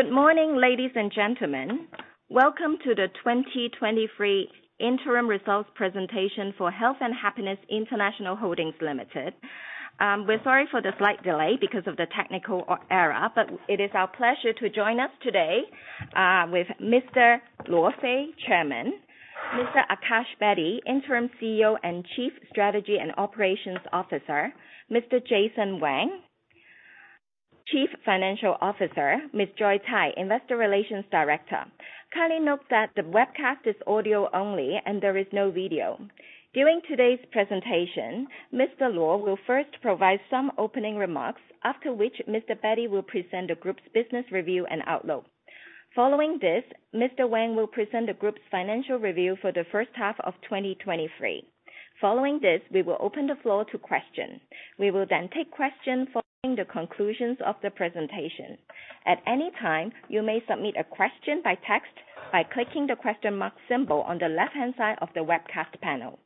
Good morning, ladies and gentlemen. Welcome to the 2023 interim results presentation for Health and Happiness International Holdings Limited. We're sorry for the slight delay because of the technical or error, it is our pleasure to join us today with Mr. Luo Fei, Chairman; Mr. Akash Bedi, Interim CEO and Chief Strategy and Operations Officer; Mr. Jason Wang, Chief Financial Officer; Ms. Joy Tsai, Investor Relations Director. Kindly note that the webcast is audio only and there is no video. During today's presentation, Mr. Luo will first provide some opening remarks, after which Mr. Bedi will present the group's business review and outlook. Following this, Mr. Wang will present the group's financial review for the first half of 2023. Following this, we will open the floor to questions. We will then take questions following the conclusions of the presentation. At any time, you may submit a question by text by clicking the question mark symbol on the left-hand side of the webcast panel.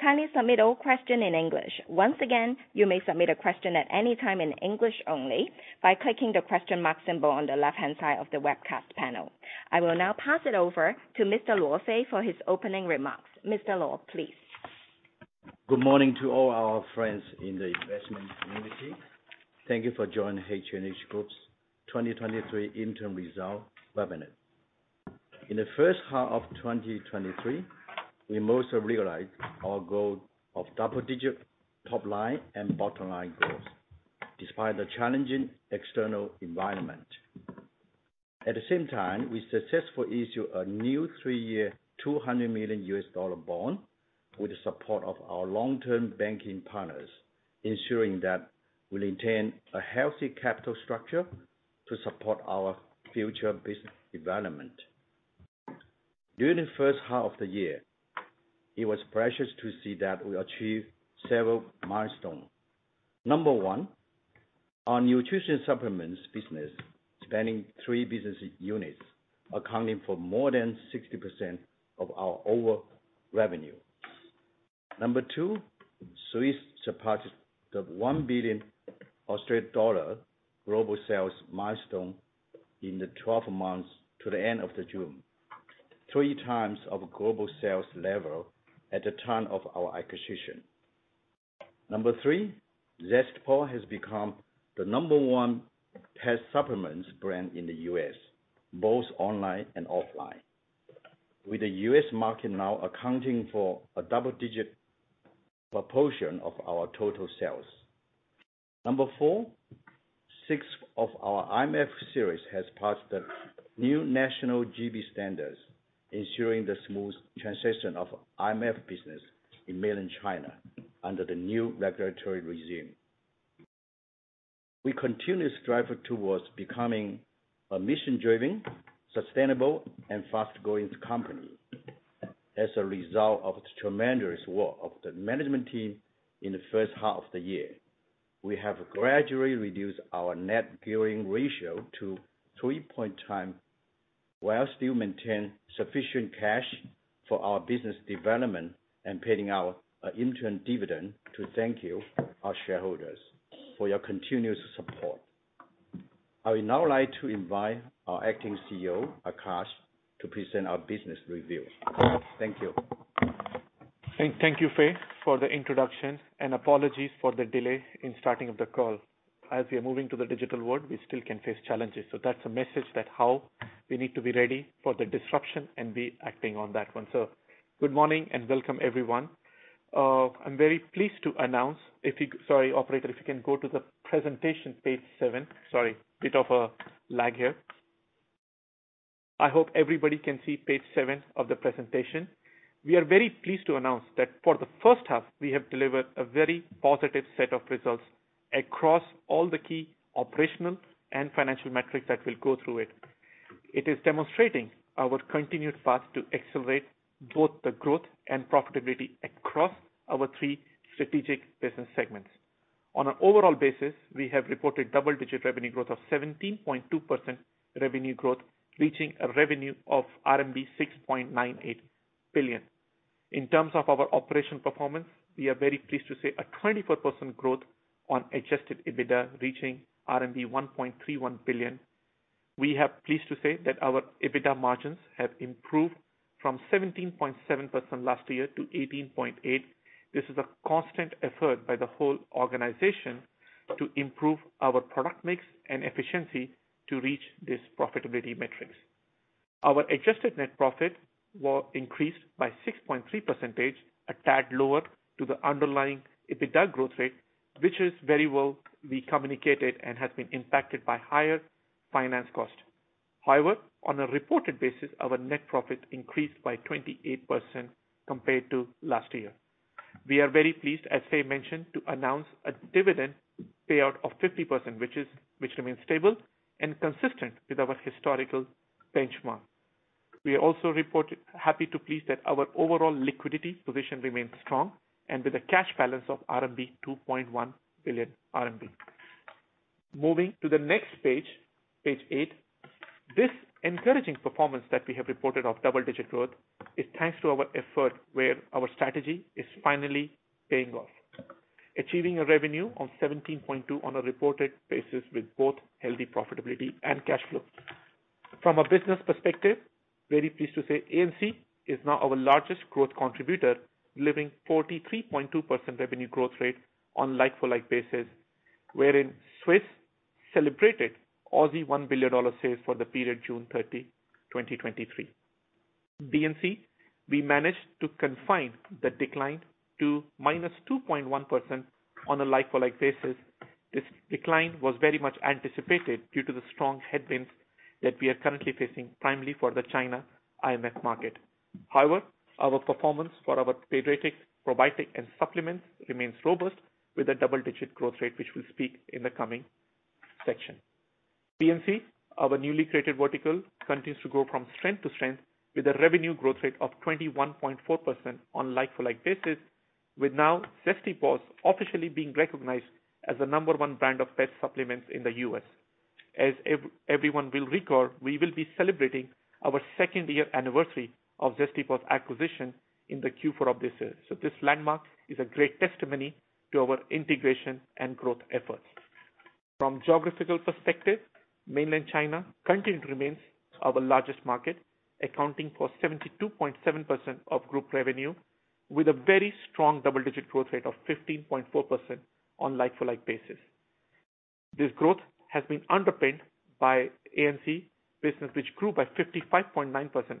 Kindly submit all questions in English. Once again, you may submit a question at any time in English only by clicking the question mark symbol on the left-hand side of the webcast panel. I will now pass it over to Mr. Luo Fei for his opening remarks. Mr. Luo, please. Good morning to all our friends in the investment community. Thank you for joining H&H Group's 2023 interim result webinar. In the first half of 2023, we mostly realized our goal of double-digit top line and bottom line growth, despite the challenging external environment. At the same time, we successfully issued a new three-year, $200 million bond with the support of our long-term banking partners, ensuring that we maintain a healthy capital structure to support our future business development. During the first half of the year, it was precious to see that we achieved several milestones. Number one, our nutrition supplements business spanning three business units, accounting for more than 60% of our overall revenue. Number 2, Swisse surpassed the 1 billion Australian dollar global sales milestone in the 12 months to the end of June, 3x of global sales level at the time of our acquisition. Number 3, Zesty Paws has become the number 1 pet supplements brand in the U.S., both online and offline, with the U.S. market now accounting for a double-digit proportion of our total sales. Number 4, 6 of our IMF series has passed the new national GB standards, ensuring the smooth transition of IMF business in mainland China under the new regulatory regime. We continue to strive towards becoming a mission-driven, sustainable, and fast-growing company. As a result of the tremendous work of the management team in the first half of the year, we have gradually reduced our net gearing ratio to 3.4x while still maintain sufficient cash for our business development and paying our interim dividend to thank you, our shareholders, for your continuous support. I would now like to invite our Interim CEO, Akash, to present our business review. Thank you. Thank you, Fei, for the introduction and apologies for the delay in starting of the call. As we are moving to the digital world, we still can face challenges. That's a message that how we need to be ready for the disruption and be acting on that one. Good morning and welcome, everyone. I'm very pleased to announce. Sorry, operator, if you can go to the presentation, page 7. Sorry, bit of a lag here. I hope everybody can see page 7 of the presentation. We are very pleased to announce that for the first half, we have delivered a very positive set of results across all the key operational and financial metrics that will go through it. It is demonstrating our continued path to accelerate both the growth and profitability across our three strategic business segments. On an overall basis, we have reported double-digit revenue growth of 17.2% revenue growth, reaching a revenue of RMB 6.98 billion. In terms of our operation performance, we are very pleased to say a 24% growth on adjusted EBITDA, reaching RMB 1.31 billion. We are pleased to say that our EBITDA margins have improved from 17.7% last year to 18.8%. This is a constant effort by the whole organization to improve our product mix and efficiency to reach these profitability metrics. Our adjusted net profit was increased by 6.3%, a tad lower to the underlying EBITDA growth rate, which is very well we communicated and has been impacted by higher finance cost. On a reported basis, our net profit increased by 28% compared to last year. We are very pleased, as Fei mentioned, to announce a dividend payout of 50%, which remains stable and consistent with our historical benchmark. We also reported-- happy to please that our overall liquidity position remains strong and with a cash balance of 2.1 billion RMB RMB. Moving to the next page, page 8. This encouraging performance that we have reported of double-digit growth is thanks to our effort, where our strategy is finally paying off, achieving a revenue of 17.2 on a reported basis, with both healthy profitability and cash flow. From a business perspective, very pleased to say, ANC is now our largest growth contributor, delivering 43.2% revenue growth rate on like-for-like basis, wherein Swisse celebrated 1 billion Aussie dollars sales for the period June 30, 2023. BNC, we managed to confine the decline to -2.1% on a like-for-like basis. This decline was very much anticipated due to the strong headwinds that we are currently facing, primarily for the China IMF market. However, our performance for our pediatric, probiotic, and supplements remains robust, with a double-digit growth rate, which we'll speak in the coming section. PNC, our newly created vertical, continues to grow from strength to strength, with a revenue growth rate of 21.4% on like-for-like basis, with now Zesty Paws officially being recognized as the number one brand of pet supplements in the U.S. As everyone will recall, we will be celebrating our second-year anniversary of Zesty Paws acquisition in the Q4 of this year. This landmark is a great testimony to our integration and growth efforts. From geographical perspective, mainland China continued remains our largest market, accounting for 72.7% of group revenue, with a very strong double-digit growth rate of 15.4% on like-for-like basis. This growth has been underpinned by ANC business, which grew by 55.9%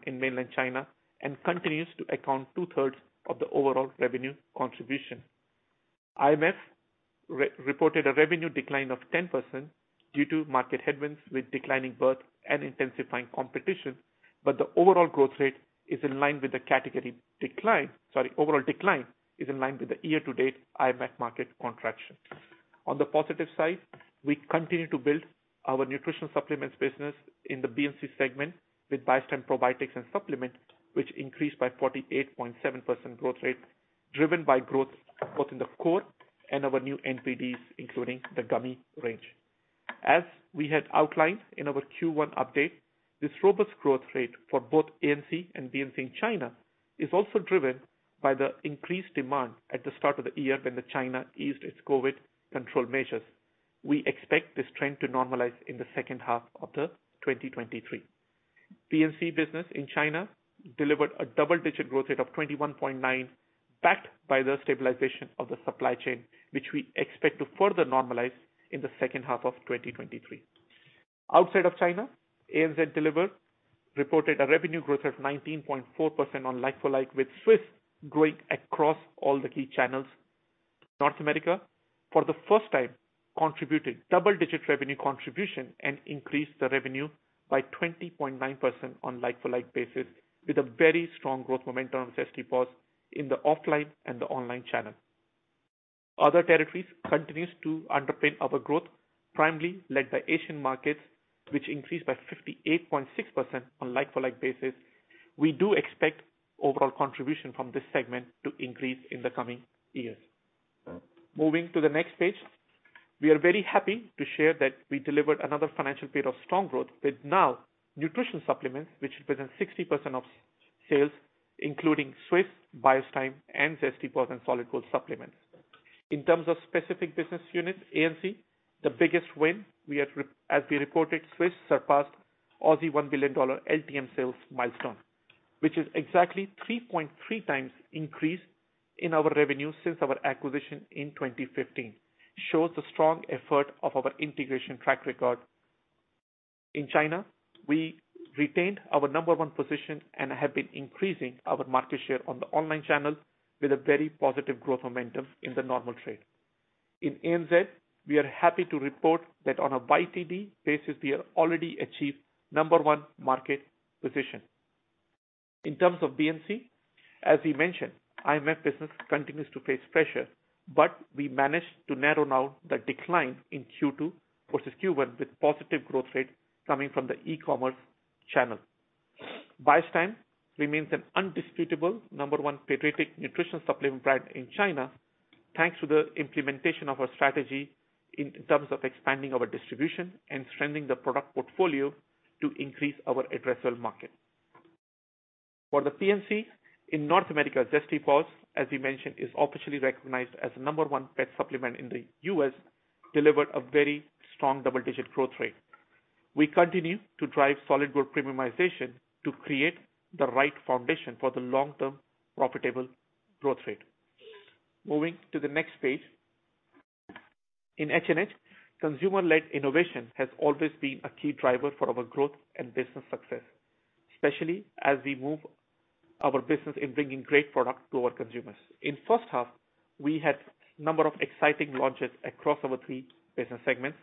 in mainland China and continues to account 2/3 of the overall revenue contribution. IMF re-reported a revenue decline of 10% due to market headwinds with declining birth and intensifying competition, but the overall growth rate is in line with the category decline. Sorry, overall decline is in line with the year-to-date IMF market contraction. On the positive side, we continue to build our nutritional supplements business in the BNC segment with Biostime probiotics and supplement, which increased by 48.7% growth rate, driven by growth both in the core and our new NPDs, including the gummy range. As we had outlined in our Q1 update, this robust growth rate for both ANC and BNC in China is also driven by the increased demand at the start of the year when China eased its COVID control measures. We expect this trend to normalize in the second half of 2023. BNC business in China delivered a double-digit growth rate of 21.9, backed by the stabilization of the supply chain, which we expect to further normalize in the second half of 2023. Outside of China, ANZ deliver reported a revenue growth of 19.4% on like-for-like, with Swisse growing across all the key channels. North America, for the first time, contributed double-digit revenue contribution and increased the revenue by 20.9% on like-for-like basis, with a very strong growth momentum on Zesty Paws in the offline and the online channel. Other territories continues to underpin our growth, primarily led by Asian markets, which increased by 58.6% on like-for-like basis. We do expect overall contribution from this segment to increase in the coming years. Moving to the next page. We are very happy to share that we delivered another financial period of strong growth, with now nutrition supplements, which represent 60% of sales, including Swisse, Biostime, and Zesty Paws, and Solid Gold Supplements. In terms of specific business units, ANC, the biggest win we have as we reported, Swisse surpassed 1 billion Aussie dollars LTM sales milestone, which is exactly 3.3 times increase in our revenue since our acquisition in 2015, shows the strong effort of our integration track record. In China, we retained our number one position and have been increasing our market share on the online channel with a very positive growth momentum in the normal trade. In ANZ, we are happy to report that on a YTD basis, we are already achieved number one market position. In terms of BNC, as we mentioned, IMF business continues to face pressure, but we managed to narrow now the decline in Q2 versus Q1, with positive growth rate coming from the e-commerce channel. Biostime remains an undisputable number one pediatric nutrition supplement brand in China, thanks to the implementation of our strategy in terms of expanding our distribution and strengthening the product portfolio to increase our addressable market. For the PNC in North America, Zesty Paws, as we mentioned, is officially recognized as the number one pet supplement in the U.S., delivered a very strong double-digit growth rate. We continue to drive Solid Gold premiumization to create the right foundation for the long-term, high-profit growth rate. Moving to the next page. In H&H, consumer-led innovation has always been a key driver for our growth and business success, especially as we move our business in bringing great product to our consumers. In first half, we had number of exciting launches across our three business segments.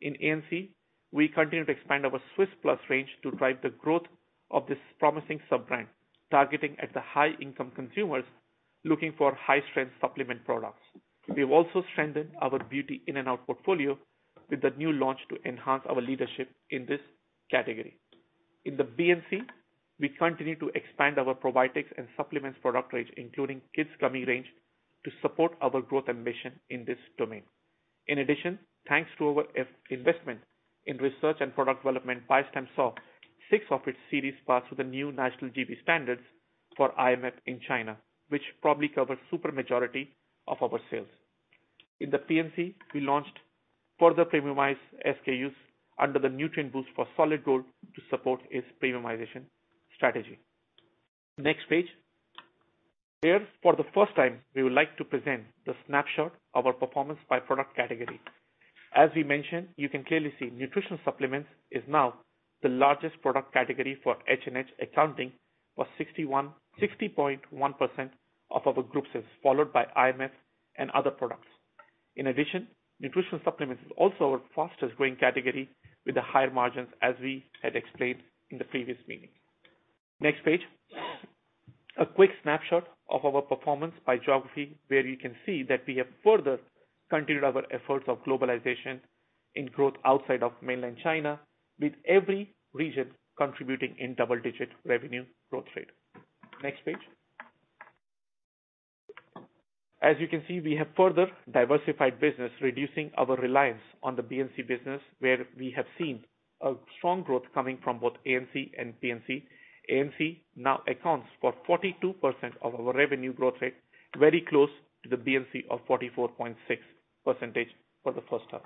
In ANC, we continue to expand our Swisse Plus range to drive the growth of this promising sub-brand, targeting at the high-income consumers looking for high-strength supplement products. We've also strengthened our beauty in and out portfolio with the new launch to enhance our leadership in this category. In the BNC, we continue to expand our probiotics and supplements product range, including kids gummy range, to support our growth ambition in this domain. In addition, thanks to our investment in research and product development, Biostime saw six of its series pass through the new national GB standards for IMF in China, which probably covers super majority of our sales. In the PNC, we launched further premiumized SKUs under the NutrientBoost for Solid Gold to support its premiumization strategy. Next page. Here, for the first time, we would like to present the snapshot of our performance by product category. As we mentioned, you can clearly see nutritional supplements is now the largest product category for H&H, accounting for 61, 60.1% of our group sales, followed by IMF and other products. In addition, nutritional supplements is also our fastest growing category with the higher margins, as we had explained in the previous meeting. Next page. A quick snapshot of our performance by geography, where you can see that we have further continued our efforts of globalization in growth outside of mainland China, with every region contributing in double-digit revenue growth rate. Next page. As you can see, we have further diversified business, reducing our reliance on the BNC business, where we have seen a strong growth coming from both ANC and PNC. ANC now accounts for 42% of our revenue growth rate, very close to the BNC of 44.6% for the first half.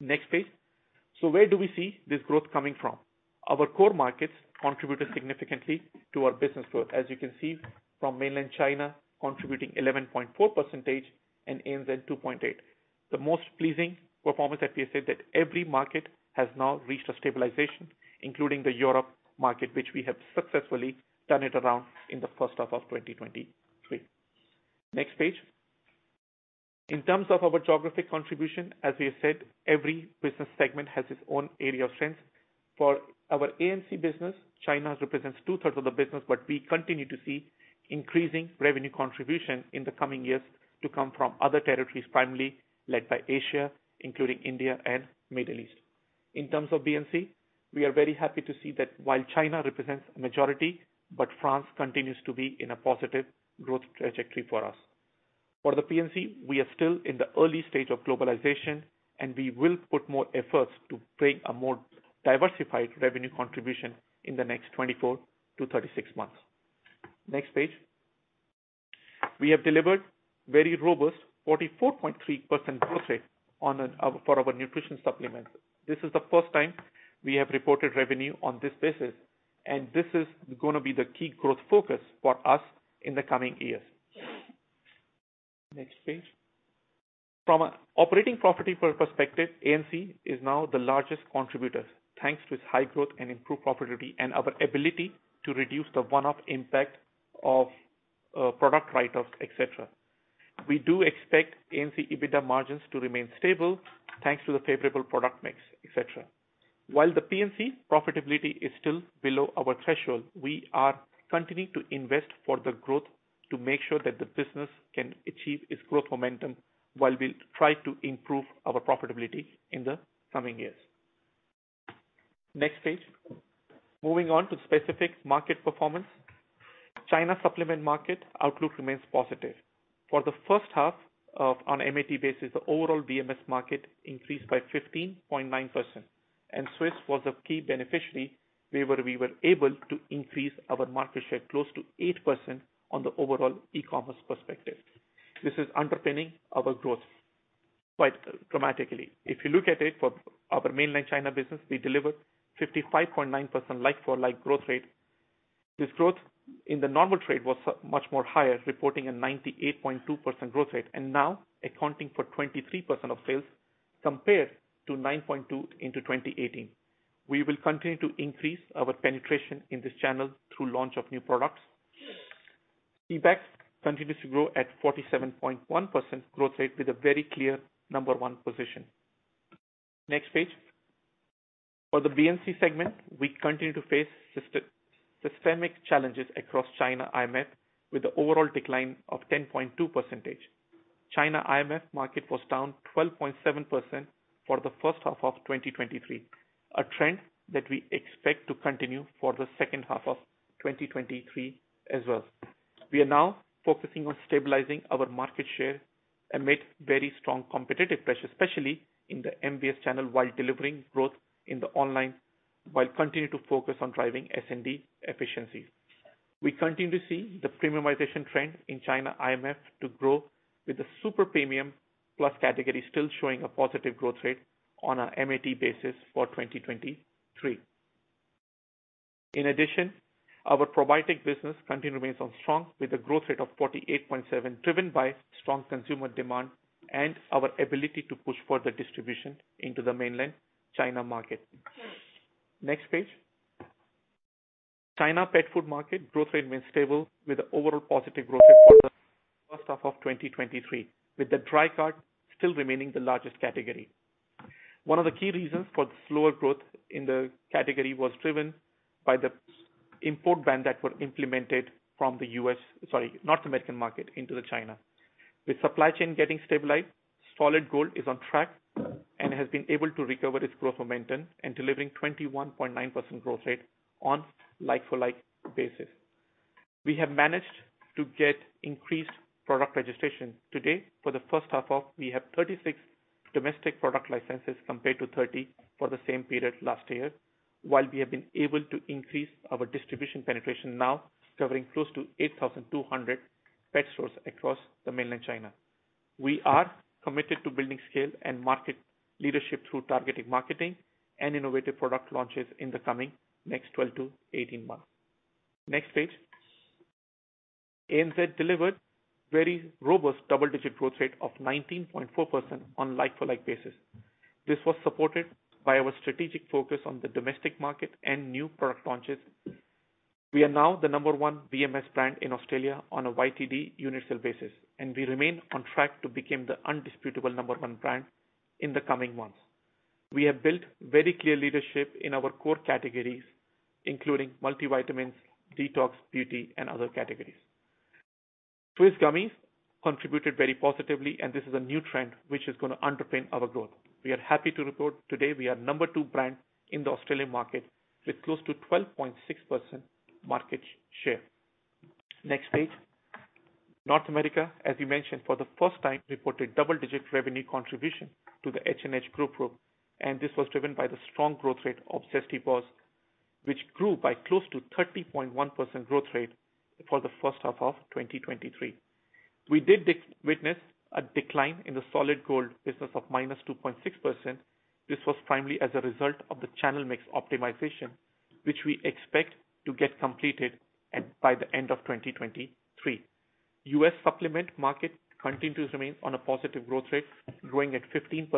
Next page. Where do we see this growth coming from? Our core markets contributed significantly to our business growth, as you can see from mainland China, contributing 11.4% and ANZ 2.8. The most pleasing performance that we have said, that every market has now reached a stabilization, including the Europe market, which we have successfully turned it around in the first half of 2023. Next page. In terms of our geographic contribution, as we have said, every business segment has its own area of strength. For our ANC business, China represents 2/3 of the business, we continue to see increasing revenue contribution in the coming years to come from other territories, primarily led by Asia, including India and Middle East. In terms of BNC, we are very happy to see that while China represents a majority, France continues to be in a positive growth trajectory for us. For the PNC, we are still in the early stage of globalization, and we will put more efforts to bring a more diversified revenue contribution in the next 24-36 months. Next page. We have delivered very robust 44.3% growth rate for our nutrition supplements. This is the first time we have reported revenue on this basis, and this is gonna be the key growth focus for us in the coming years. Next page. From an operating profit perspective, ANC is now the largest contributor, thanks to its high growth and improved profitability and our ability to reduce the one-off impact of product write-offs, etc. We do expect ANC EBITDA margins to remain stable, thanks to the favorable product mix, etc. While the PNC profitability is still below our threshold, we are continuing to invest for the growth to make sure that the business can achieve its growth momentum while we try to improve our profitability in the coming years. Next page. Moving on to specific market performance. China supplement market outlook remains positive. For the first half of on MAT basis, the overall VMS market increased by 15.9%. Swisse was a key beneficiary, where we were able to increase our market share close to 8% on the overall e-commerce perspective. This is underpinning our growth quite dramatically. If you look at it for our mainland China business, we delivered 55.9% like-for-like growth rate. This growth in the normal trade was much more higher, reporting a 98.2% growth rate and now accounting for 23% of sales, compared to 9.2% into 2018. We will continue to increase our penetration in this channel through launch of new products. CBEC continues to grow at 47.1% growth rate with a very clear number one position. Next page. For the BNC segment, we continue to face systemic challenges across China IMF, with the overall decline of 10.2%. China IMF market was down 12.7% for the first half of 2023, a trend that we expect to continue for the second half of 2023 as well. We are now focusing on stabilizing our market share amid very strong competitive pressure, especially in the MBS channel, while delivering growth in the online, while continuing to focus on driving S&D efficiencies. We continue to see the premiumization trend in China IMF to grow, with the super premium plus category still showing a positive growth rate on a MAT basis for 2023. Our probiotics business continue remains on strong, with a growth rate of 48.7, driven by strong consumer demand and our ability to push further distribution into the mainland China market. Next page. China pet food market growth rate remains stable, with an overall positive growth rate for the first half of 2023, with the dry cat still remaining the largest category. One of the key reasons for the slower growth in the category was driven by the import ban that were implemented from the U.S. Sorry, North American market into China. With supply chain getting stabilized, Solid Gold is on track and has been able to recover its growth momentum and delivering 21.9% growth rate on like-for-like basis. We have managed to get increased product registration. Today, for the first half of, we have 36 domestic product licenses compared to 30 for the same period last year, while we have been able to increase our distribution penetration, now covering close to 8,200 pet stores across mainland China. We are committed to building scale and market leadership through targeted marketing and innovative product launches in the coming next 12-18 months. Next page. ANZ delivered very robust double-digit growth rate of 19.4% on like-for-like basis. This was supported by our strategic focus on the domestic market and new product launches. We are now the number 1 VMS brand in Australia on a YTD unit sale basis, and we remain on track to become the undisputable number 1 brand in the coming months. We have built very clear leadership in our core categories, including multivitamins, detox, beauty, and other categories. Swisse gummies contributed very positively, and this is a new trend which is gonna underpin our growth. We are happy to report today we are number 2 brand in the Australian market, with close to 12.6% market share. Next page. North America, as we mentioned, for the first time, reported double-digit revenue contribution to the H&H Group growth. This was driven by the strong growth rate of Zesty Paws, which grew by close to 30.1% growth rate for the first half of 2023. We did witness a decline in the Solid Gold business of -2.6%. This was primarily as a result of the channel mix optimization, which we expect to get completed, by the end of 2023. U.S. supplement market continues to remain on a positive growth rate, growing at 15%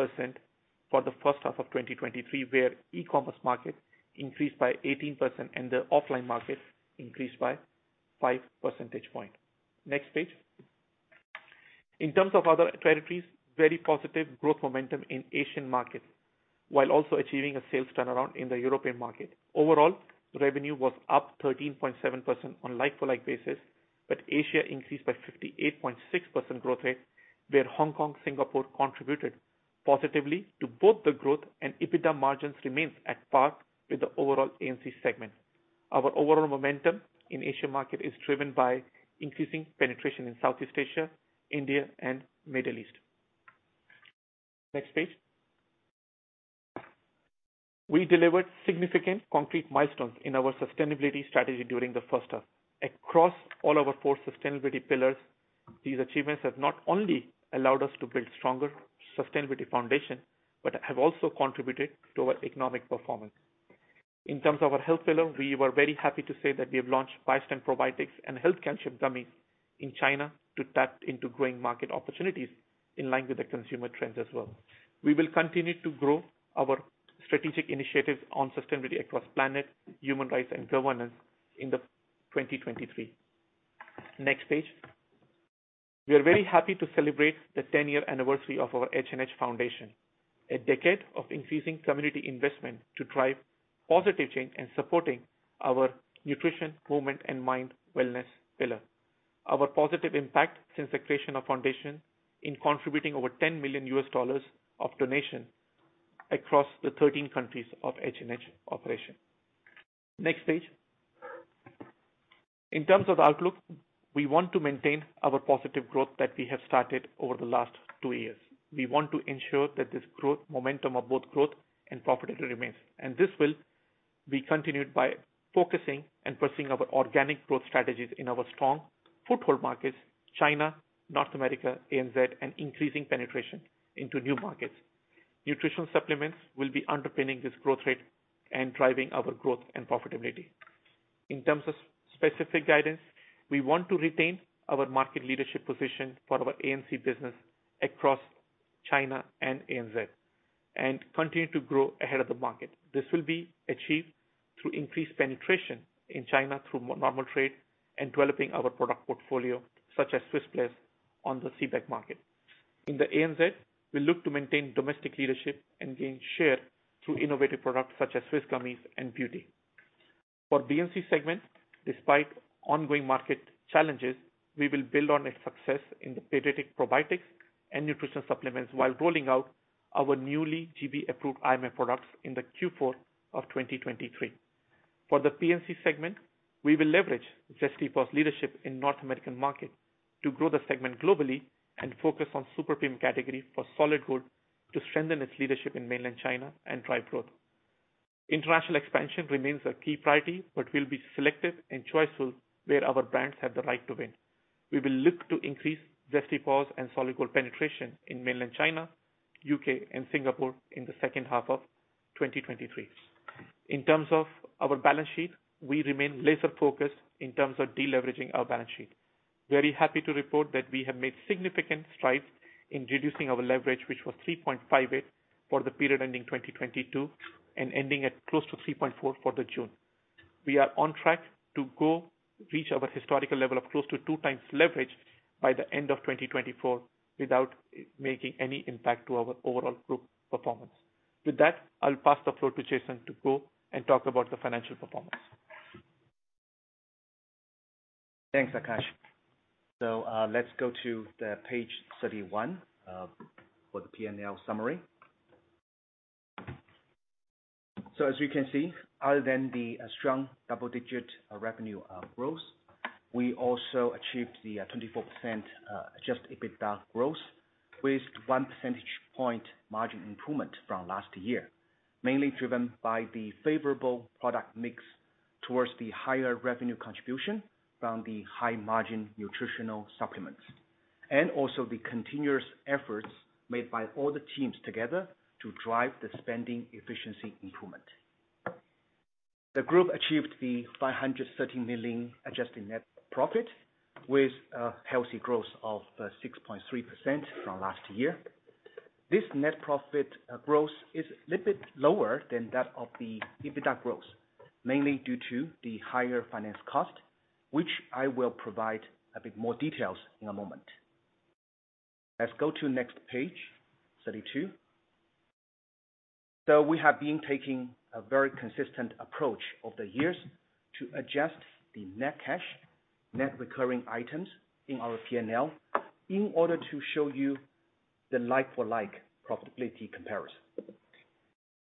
for the first half of 2023, where e-commerce market increased by 18% and the offline market increased by 5 percentage point. Next page. In terms of other territories, very positive growth momentum in Asian markets, while also achieving a sales turnaround in the Europe market. Overall, revenue was up 13.7% on like-for-like basis, but Asia increased by 58.6% growth rate, where Hong Kong, Singapore contributed positively to both the growth, and EBITDA margins remains at par with the overall ANC segment. Our overall momentum in Asia market is driven by increasing penetration in Southeast Asia, India and Middle East. Next page. We delivered significant concrete milestones in our sustainability strategy during the first half. Across all our four sustainability pillars, these achievements have not only allowed us to build stronger sustainability foundation, but have also contributed to our economic performance. In terms of our health pillar, we were very happy to say that we have launched Biostime probiotics and Health Can Ship gummies in China to tap into growing market opportunities in line with the consumer trends as well. We will continue to grow our strategic initiatives on sustainability across planet, human rights and governance in 2023. Next page. We are very happy to celebrate the 10-year anniversary of our H&H Foundation, a decade of increasing community investment to drive positive change and supporting our nutrition, movement and mind wellness pillar. Our positive impact since the creation of foundation in contributing over $10 million of donation across the 13 countries of H&H operation. Next page. In terms of outlook, we want to maintain our positive growth that we have started over the last two years. We want to ensure that this growth, momentum of both growth and profitability remains, and this will be continued by focusing and pursuing our organic growth strategies in our strong foothold markets, China, North America, ANZ, and increasing penetration into new markets. Nutritional supplements will be underpinning this growth rate and driving our growth and profitability. In terms of specific guidance, we want to retain our market leadership position for our ANC business across China and ANZ, and continue to grow ahead of the market. This will be achieved through increased penetration in China through normal trade and developing our product portfolio, such as Swisse Plus, on the CBEC market. In the ANZ, we look to maintain domestic leadership and gain share through innovative products such as Swisse gummies and beauty. For BNC segment, despite ongoing market challenges, we will build on its success in the Biostime probiotics and nutritional supplements while rolling out our newly GB approved IMF products in the Q4 of 2023. For the PNC segment, we will leverage Zesty Paws leadership in North American market to grow the segment globally and focus on super premium category for Solid Gold to strengthen its leadership in mainland China and drive growth. International expansion remains a key priority, but will be selective and choiceful where our brands have the right to win. We will look to increase Zesty Paws and Solid Gold penetration in mainland China, U.K. and Singapore in the second half of 2023. In terms of our balance sheet, we remain laser focused in terms of deleveraging our balance sheet. Very happy to report that we have made significant strides in reducing our leverage, which was 3.58 for the period ending 2022 and ending at close to 3.4 for the June. We are on track to go reach our historical level of close to 2x leverage by the end of 2024 without making any impact to our overall group performance. With that, I'll pass the floor to Jason to go and talk about the financial performance. Thanks, Akash. Let's go to the page 31 for the P&L summary. As you can see, other than the strong double digit revenue growth, we also achieved the 24% adjusted EBITDA growth, with 1 percentage point margin improvement from last year, mainly driven by the favorable product mix towards the higher revenue contribution from the high margin nutritional supplements, and also the continuous efforts made by all the teams together to drive the spending efficiency improvement. The group achieved the 513 million adjusted net profit with a healthy growth of 6.3% from last year. This net profit growth is a little bit lower than that of the EBITDA growth, mainly due to the higher finance cost, which I will provide a bit more details in a moment. Let's go to next page, 32. We have been taking a very consistent approach over the years to adjust the net cash, net recurring items in our P&L, in order to show you the like for like profitability comparison.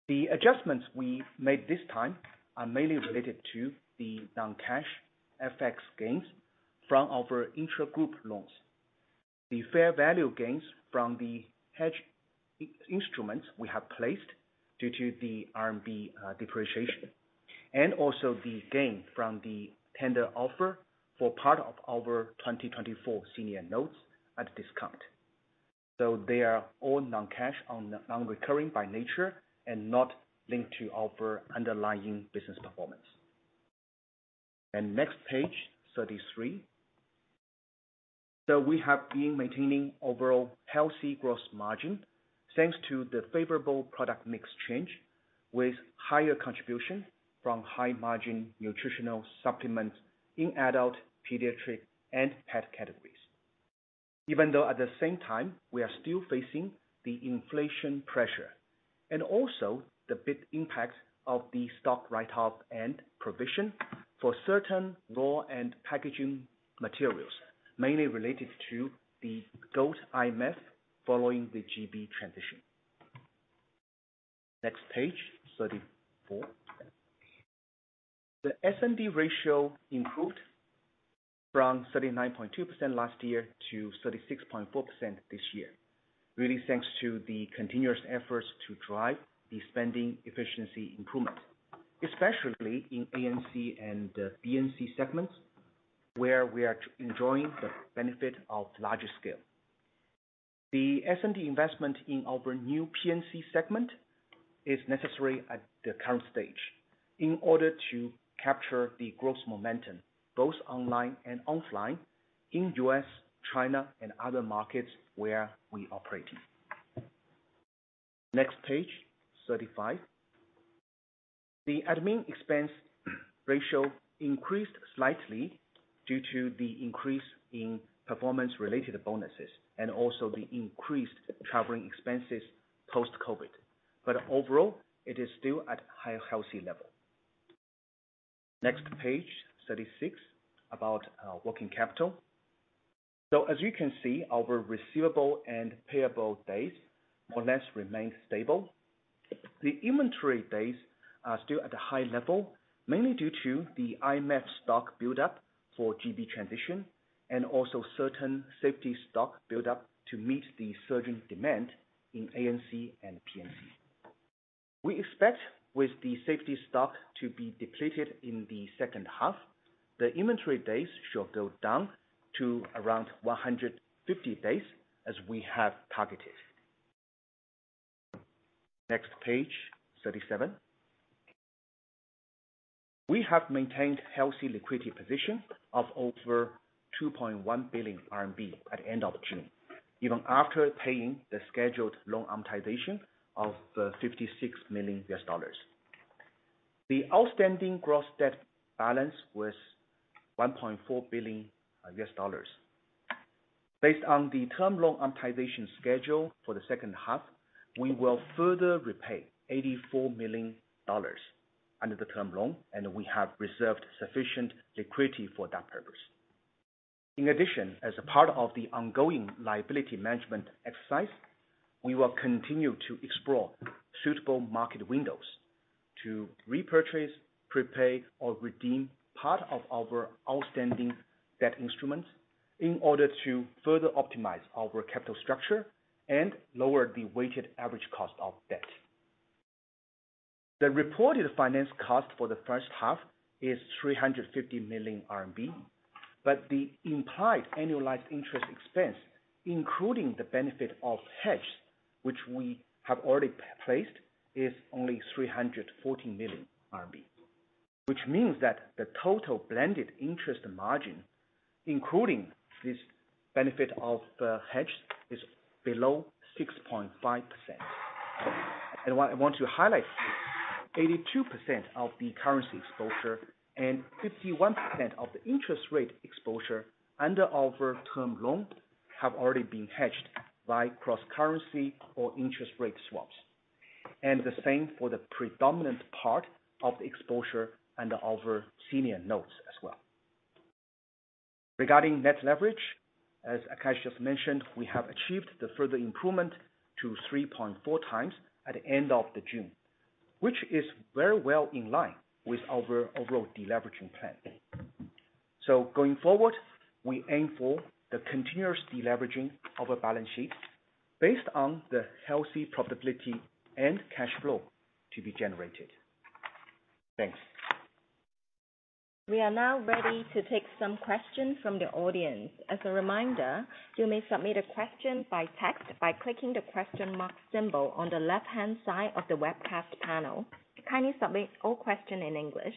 The adjustments we made this time are mainly related to the non-cash FX gains from our intra-group loans. The fair value gains from the hedge instruments we have placed due to the RMB depreciation, and also the gain from the tender offer for part of our 2024 senior notes at a discount. They are all non-cash, non-recurring by nature, and not linked to our underlying business performance. Next page, 33. We have been maintaining overall healthy growth margin, thanks to the favorable product mix change, with higher contribution from high margin nutritional supplements in adult, pediatric, and pet categories. Even though at the same time, we are still facing the inflation pressure, and also the big impact of the stock write-off and provision for certain raw and packaging materials, mainly related to the goat IMF following the GB transition. Next page, 34. The S&D ratio improved from 39.2% last year to 36.4% this year. Really, thanks to the continuous efforts to drive the spending efficiency improvement, especially in ANC and BNC segments, where we are enjoying the benefit of larger scale. The S&D investment in our new PNC segment is necessary at the current stage in order to capture the growth momentum, both online and offline in U.S., China, and other markets where we operate. Next page, 35. The admin expense ratio increased slightly due to the increase in performance-related bonuses, and also the increased traveling expenses post-COVID, but overall, it is still at high, healthy level. Next page, 36, about our working capital. As you can see, our receivable and payable days more or less remained stable. The inventory days are still at a high level, mainly due to the IMF stock buildup for GB transition, and also certain safety stock buildup to meet the surging demand in ANC and PNC. We expect with the safety stock to be depleted in the second half, the inventory days should go down to around 150 days as we have targeted. Next page, 37. We have maintained healthy liquidity position of over 2.1 billion RMB at the end of June, even after paying the scheduled loan amortization of $56 million. The outstanding gross debt balance was $1.4 billion. Based on the term loan amortization schedule for the second half, we will further repay $84 million under the term loan, and we have reserved sufficient liquidity for that purpose. In addition, as a part of the ongoing liability management exercise, we will continue to explore suitable market windows to repurchase, prepay, or redeem part of our outstanding debt instruments in order to further optimize our capital structure and lower the weighted average cost of debt. The reported finance cost for the first half is 350 million RMB, but the implied annualized interest expense, including the benefit of hedge, which we have already placed, is only 314 million RMB. Which means that the total blended interest margin, including this benefit of hedge, is below 6.5%. What I want to highlight, 82% of the currency exposure and 51% of the interest rate exposure under our term loan, have already been hedged by cross-currency or interest rate swaps, and the same for the predominant part of the exposure under our senior notes as well. Regarding net leverage, as Akash just mentioned, we have achieved the further improvement to 3.4 times at the end of June, which is very well in line with our overall deleveraging plan. Going forward, we aim for the continuous deleveraging of our balance sheet based on the healthy profitability and cash flow to be generated. Thanks. We are now ready to take some questions from the audience. As a reminder, you may submit a question by text by clicking the question mark symbol on the left-hand side of the webcast panel. Kindly submit all question in English.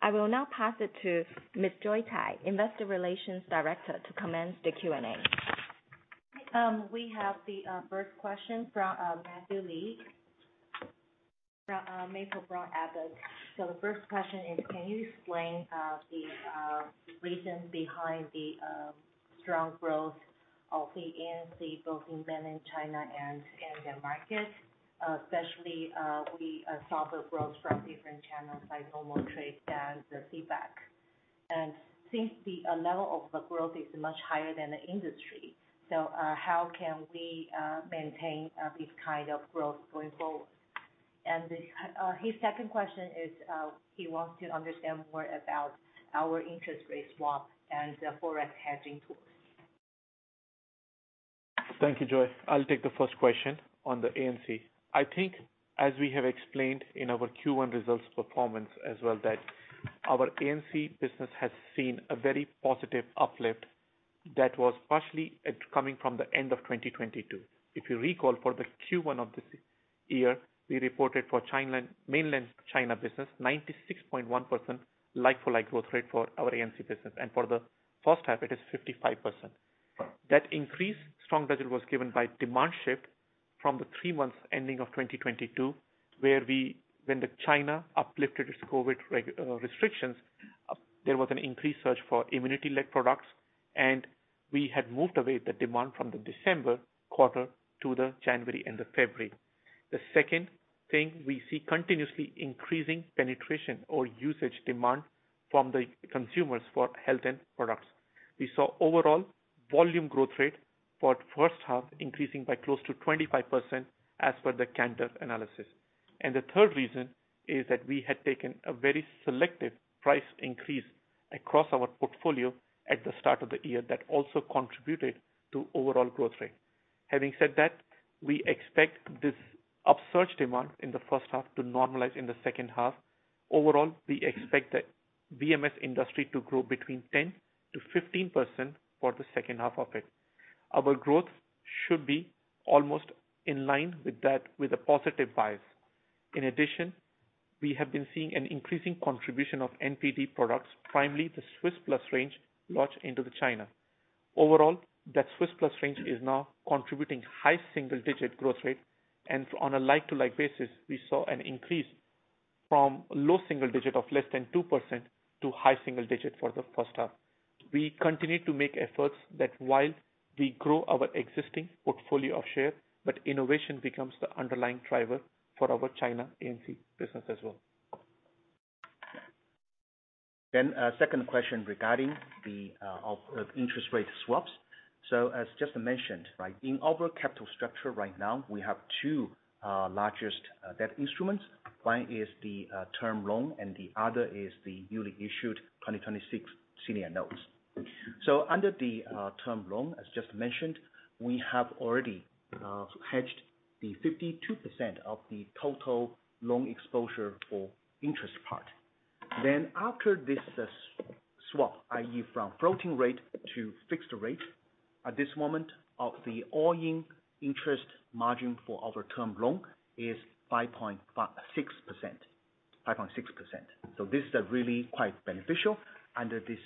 I will now pass it to Ms. Joy Tsai, Investor Relations Director, to commence the Q&A. We have the first question from Matthew Lee, from Maple-Brown Abbott. The first question is: Can you explain the reason behind the strong growth of the ANC, both in mainland China and in the market? Especially, we saw the growth from different channels like normal trade and the feedback. Since the level of the growth is much higher than the industry, how can we maintain this kind of growth going forward? His second question is, he wants to understand more about our interest rate swap and the forex hedging tools. Thank you, Joy. I'll take the first question on the ANC. I think as we have explained in our Q1 results performance as well, that our ANC business has seen a very positive uplift that was partially coming from the end of 2022. If you recall, for the Q1 of this year, we reported for China- mainland China business, 96.1% like-for-like growth rate for our ANC business. For the first half, it is 55%. That increase, strong result, was given by demand shift from the three months ending of 2022, where when the China uplifted its COVID restrictions, there was an increased search for immunity-led products, and we had moved away the demand from the December quarter to the January and the February. The second thing, we see continuously increasing penetration or usage demand from the consumers for health and products. We saw overall volume growth rate for the first half, increasing by close to 25% as per the Kantar analysis. The third reason is that we had taken a very selective price increase across our portfolio at the start of the year. That also contributed to overall growth rate. Having said that, we expect this upsurge demand in the first half to normalize in the second half. Overall, we expect the VMS industry to grow between 10%-15% for the second half of it. Our growth should be almost in line with that, with a positive bias. In addition, we have been seeing an increasing contribution of NPD products, primarily the Swisse Plus range, launched into China. Overall, that Swisse Plus range is now contributing high single-digit growth rate. On a like-to-like basis, we saw an increase from low single-digit of less than 2% to high single-digit for the first half. We continue to make efforts that while we grow our existing portfolio of share, but innovation becomes the underlying driver for our China ANC business as well. Second question regarding the interest rate swaps. As just mentioned, right? In our capital structure right now, we have two largest debt instruments. One is the term loan, and the other is the newly issued 2026 senior notes. Under the term loan, as just mentioned, we have already hedged the 52% of the total loan exposure for interest part. After this swap, i.e., from floating rate to fixed rate, at this moment, of the all-in interest margin for our term loan is 5.6%. 5.6%. This is a really quite beneficial under this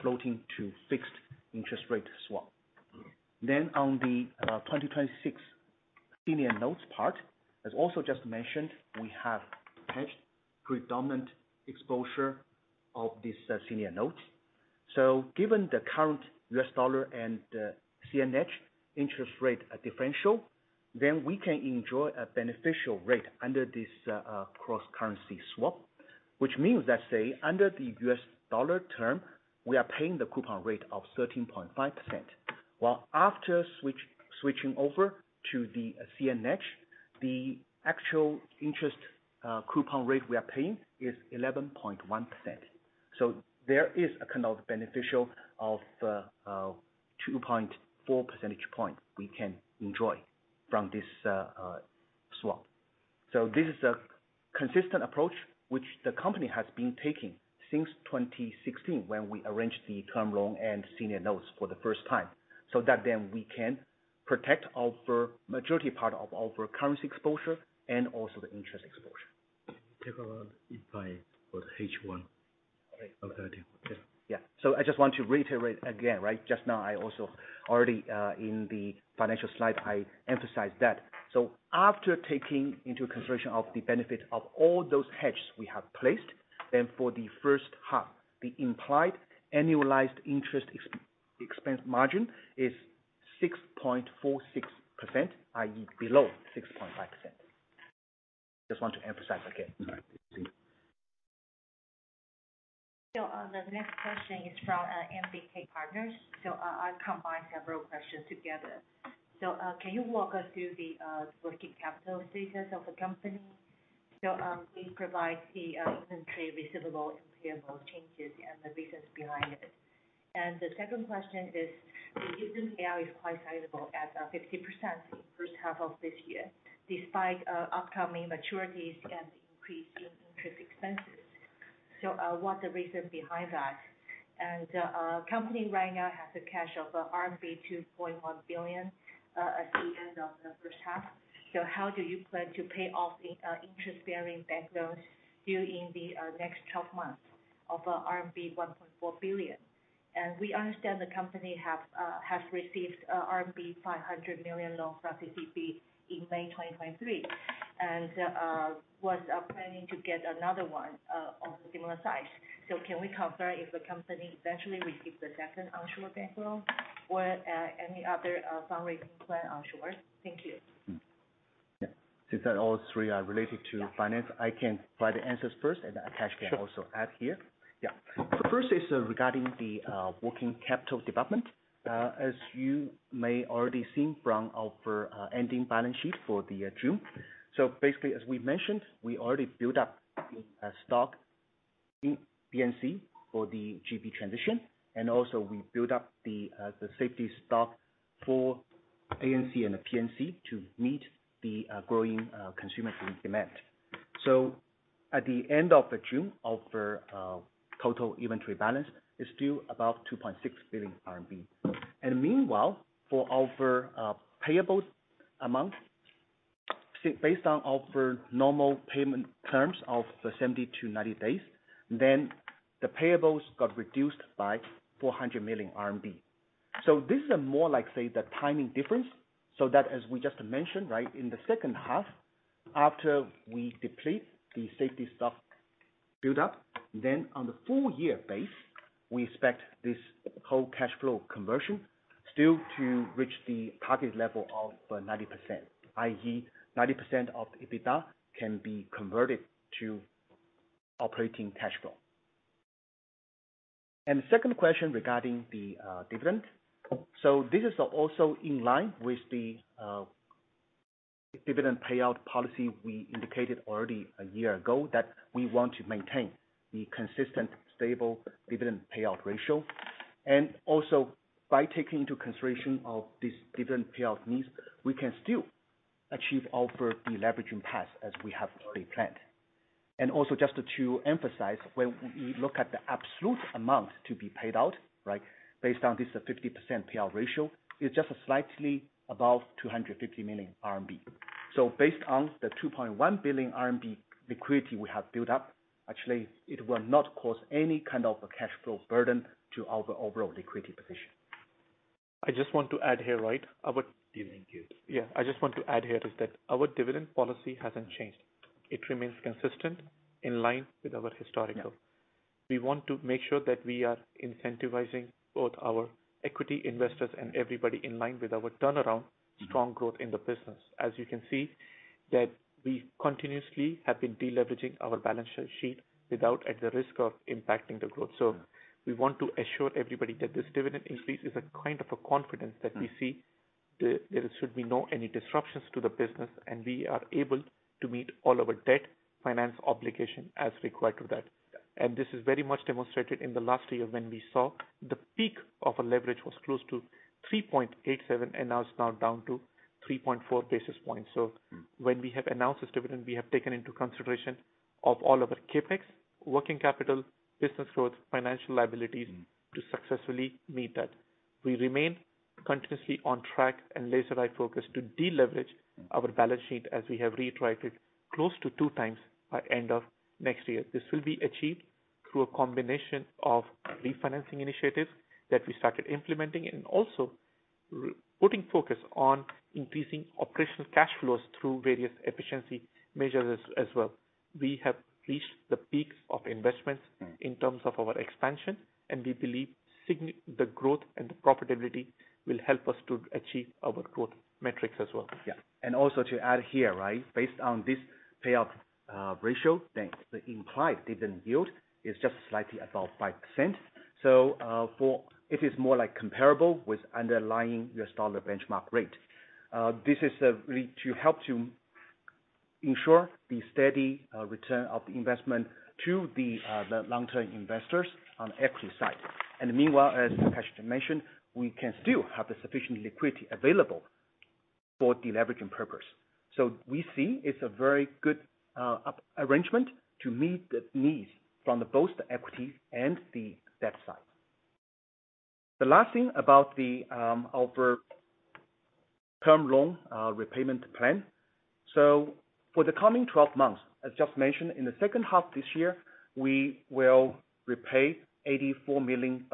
floating to fixed interest rate swap. On the 2026 senior notes part, as also just mentioned, we have hedged predominant exposure of these senior notes. Given the current U.S. dollar and CNH interest rate differential, then we can enjoy a beneficial rate under this cross-currency swap. Which means, let's say, under the U.S. dollar term, we are paying the coupon rate of 13.5%, while after switching over to the CNH, the actual interest coupon rate we are paying is 11.1%. There is a kind of beneficial of 2.4 percentage points we can enjoy from this swap. This is a consistent approach which the company has been taking since 2016, when we arranged the term loan and senior notes for the first time, so that then we can protect our majority part of our currency exposure and also the interest exposure. Take around by for H1 of 2013. Okay. Yeah. I just want to reiterate again, right? Just now, I also already, in the financial slide, I emphasized that. After taking into consideration of the benefit of all those hedges we have placed, then for the first half, the implied annualized interest expense margin is 6.46%, i.e., below 6.5%. Just want to emphasize that, okay? All right. Thank you. The next question is from MBK Partners. I've combined several questions together. Can you walk us through the working capital status of the company? Please provide the inventory receivable and payable changes and the reasons behind it. The second question is, the dividend payout is quite sizable at 50% in first half of this year, despite upcoming maturities and increasing interest expenses. What's the reason behind that? Company right now has a cash of RMB 2.1 billion at the end of the first half. How do you plan to pay off the interest bearing bank loans due in the next 12 months of RMB 1.4 billion? We understand the company have, has received, RMB 500 million loan from CCB in May 2023, and, was, planning to get another one, of a similar size. Can we confirm if the company eventually received the second onshore bank loan or, any other, fundraising plan onshore? Thank you. Yeah. Since that all three are related to finance- Yeah. I can provide the answers first, and Akash can also add here. Sure. Yeah. The first is regarding the working capital development. As you may already seen from our ending balance sheet for June. Basically, as we mentioned, we already built up a stock in PNC for the GB transition, and also we built up the safety stock for ANC and PNC to meet the growing consumer demand. At the end of June, our total inventory balance is still above 2.6 billion RMB. Meanwhile, for our payable amount, based on our normal payment terms of 70-90 days, the payables got reduced by 400 million RMB. This is more like, say, the timing difference, so that as we just mentioned, right? In the second half, after we deplete the safety stock build up, then on the full year base, we expect this whole cash flow conversion still to reach the target level of 90%, i.e., 90% of EBITDA can be converted to operating cash flow. The second question regarding the dividend. This is also in line with the dividend payout policy we indicated already a year ago, that we want to maintain the consistent, stable dividend payout ratio. Also, by taking into consideration of this dividend payout needs, we can still achieve our deleveraging path as we have already planned. Also just to emphasize, when we look at the absolute amount to be paid out, right? Based on this 50% payout ratio, it's just slightly above 250 million RMB. Based on the 2.1 billion RMB liquidity we have built up, actually, it will not cause any kind of a cash flow burden to our overall liquidity position. I just want to add here, right? Our- Yeah. Thank you. Yeah. I just want to add here is that our dividend policy hasn't changed. It remains consistent in line with our historical. Yeah. We want to make sure that we are incentivizing both our equity investors and everybody in line with our turnaround, strong growth in the business. As you can see, that we continuously have been deleveraging our balance sheet without at the risk of impacting the growth. Yeah. We want to assure everybody that this dividend increase is a kind of a confidence that we see, there should be no any disruptions to the business, and we are able to meet all our debt finance obligation as required to that. Yeah. This is very much demonstrated in the last year, when we saw the peak of a leverage was close to 3.87, and now it's now down to 3.4 basis points. Mm. When we have announced this dividend, we have taken into consideration of all our CapEx, working capital, business growth, financial liabilities. Mm. to successfully meet that. We remain continuously on track and laser-like focused to deleverage our balance sheet as we have re-written, close to two times by end of next year. This will be achieved through a combination of refinancing initiatives that we started implementing, and also putting focus on increasing operational cash flows through various efficiency measures as well. We have reached the peaks of investments. Mm. In terms of our expansion, we believe the growth and the profitability will help us to achieve our growth metrics as well. Yeah. Also to add here, right? Based on this payout ratio, then the implied dividend yield is just slightly above 5%. For, it is more like comparable with underlying U.S. dollar benchmark rate. This is really to help to ensure the steady return of the investment to the long-term investors on the equity side. Meanwhile, as Akash mentioned, we can still have the sufficient liquidity available for deleveraging purpose. We see it's a very good arrangement to meet the needs from the both the equity and the debt side. The last thing about our term loan repayment plan. For the coming 12 months, as just mentioned, in the second half this year, we will repay $84 million,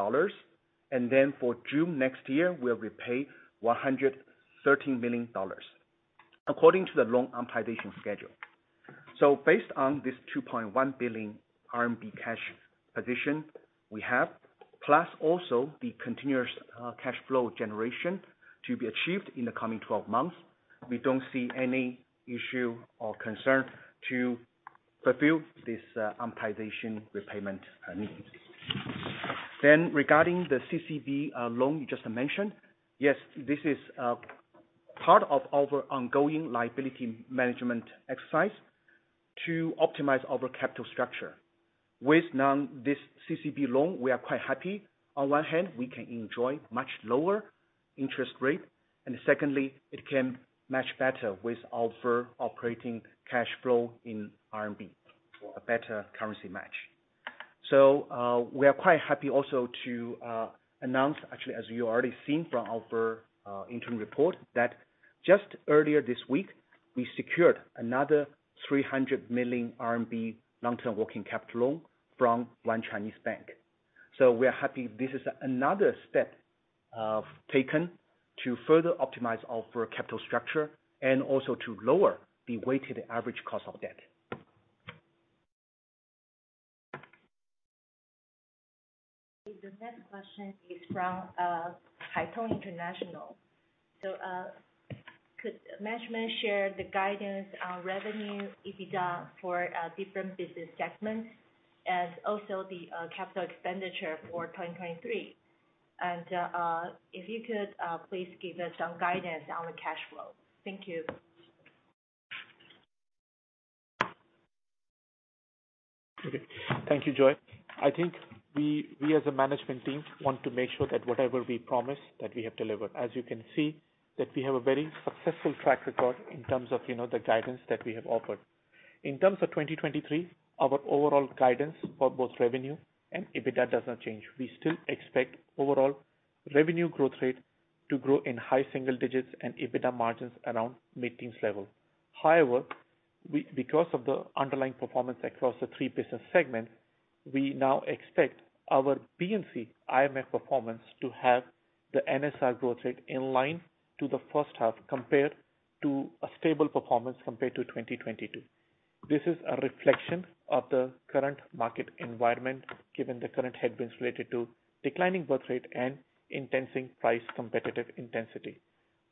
and then for June next year, we'll repay $113 million, according to the loan amortization schedule. Based on this 2.1 billion RMB cash position we have, plus also the continuous cash flow generation to be achieved in the coming 12 months. We don't see any issue or concern to fulfill this amortization repayment needs. Regarding the CCB loan you just mentioned, yes, this is part of our ongoing liability management exercise to optimize our capital structure. With now this CCB loan, we are quite happy. On one hand, we can enjoy much lower interest rate, and secondly, it can match better with our operating cash flow in RMB, a better currency match. We are quite happy also to announce, actually, as you've already seen from our interim report, that just earlier this week, we secured another 300 million RMB long-term working capital loan from one Chinese bank. We are happy. This is another step taken to further optimize our capital structure and also to lower the weighted average cost of debt. The next question is from Haitong International. Could management share the guidance on revenue EBITDA for different business segments, and also the capital expenditure for 2023? If you could, please give us some guidance on the cash flow. Thank you. Okay. Thank you, Joy. I think we as a management team, want to make sure that whatever we promise, that we have delivered. As you can see, that we have a very successful track record in terms of, you know, the guidance that we have offered. In terms of 2023, our overall guidance for both revenue and EBITDA does not change. We still expect overall revenue growth rate to grow in high single digits and EBITDA margins around mid-teens level. However, because of the underlying performance across the three business segments, we now expect our PNC IMF performance to have the NSR growth rate in line to the first half, compared to a stable performance compared to 2022. This is a reflection of the current market environment, given the current headwinds related to declining birthrate and intensifying price competitive intensity.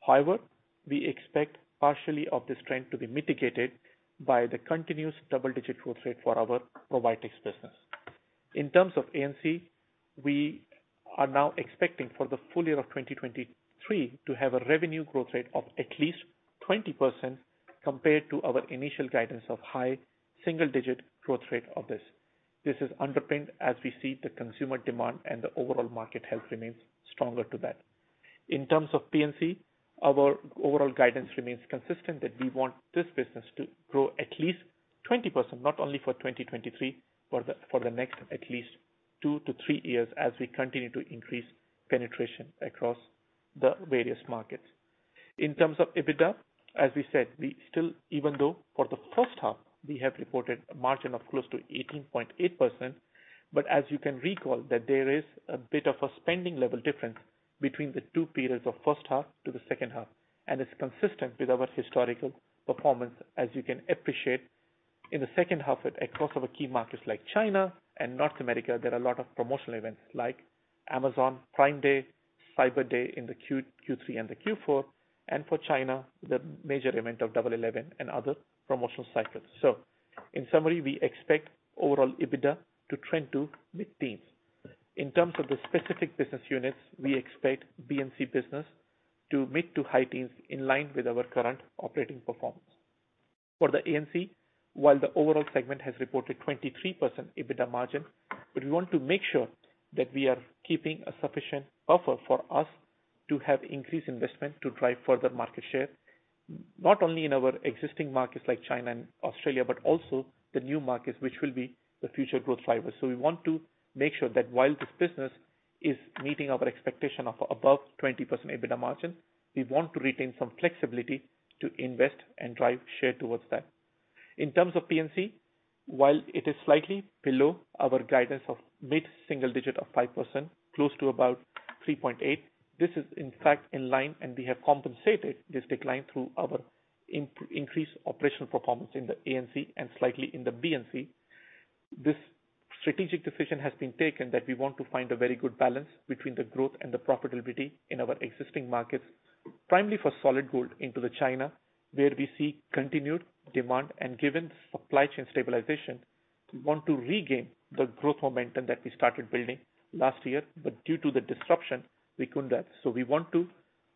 However, we expect partially of this trend to be mitigated by the continuous double-digit growth rate for our Provitex business. In terms of ANC, we are now expecting for the full year of 2023 to have a revenue growth rate of at least 20% compared to our initial guidance of high single-digit growth rate of this. This is underpinned as we see the consumer demand and the overall market health remains stronger to that. In terms of PNC, our overall guidance remains consistent, that we want this business to grow at least 20%, not only for 2023, for the, for the next, at least two to three years, as we continue to increase penetration across the various markets. In terms of EBITDA, as we said, we still even though for the first half, we have reported a margin of close to 18.8%. As you can recall, that there is a bit of a spending level difference between the two periods of first half to the second half. It's consistent with our historical performance. As you can appreciate, in the second half, across our key markets like China and North America, there are a lot of promotional events like Amazon Prime Day, Cyber Monday in Q3 and Q4. For China, the major event of Double 11 and other promotional cycles. In summary, we expect overall EBITDA to trend to mid-teens. In terms of the specific business units, we expect BNC business to mid to high teens, in line with our current operating performance. For the ANC, while the overall segment has reported 23% EBITDA margin, but we want to make sure that we are keeping a sufficient buffer for us to have increased investment to drive further market share, not only in our existing markets like China and Australia, but also the new markets, which will be the future growth drivers. We want to make sure that while this business is meeting our expectation of above 20% EBITDA margin, we want to retain some flexibility to invest and drive share towards that. In terms of PNC, while it is slightly below our guidance of mid-single digit of 5%, close to about 3.8, this is in fact in line, and we have compensated this decline through our increased operational performance in the ANC and slightly in the BNC. This strategic decision has been taken that we want to find a very good balance between the growth and the profitability in our existing markets, primarily for Solid Gold into China, where we see continued demand. Given supply chain stabilization, we want to regain the growth momentum that we started building last year, but due to the disruption, we couldn't do that. We want to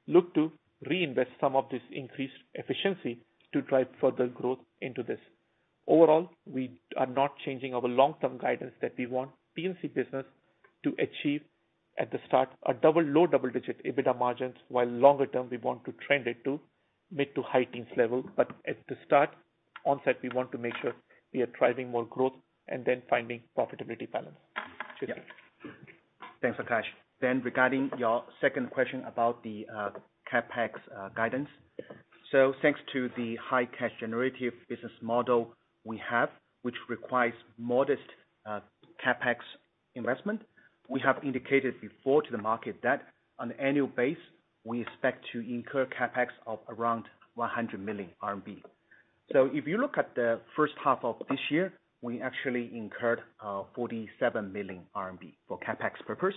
look to reinvest some of this increased efficiency to drive further growth into this. Overall, we are not changing our long-term guidance that we want PNC business to achieve, at the start, a double, low double-digit EBITDA margins, while longer term, we want to trend it to mid to high teens level. At the start onset, we want to make sure we are driving more growth and then finding profitability balance. Jimmy? Thanks, Akash. Regarding your second question about the CapEx guidance. Thanks to the high cash generative business model we have, which requires modest CapEx investment, we have indicated before to the market that on an annual base, we expect to incur CapEx of around 100 million RMB. If you look at the first half of this year, we actually incurred 47 million RMB for CapEx purpose.